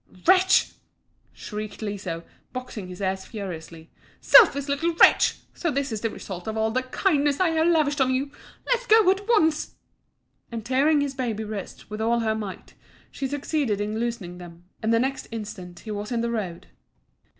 "Wretch!" shrieked Liso, boxing his ears furiously. "Selfish little wretch! So this is the result of all the kindness I have lavished on you. Let go at once" and tearing at his baby wrists with all her might, she succeeded in loosening them, and the next instant he was in the road.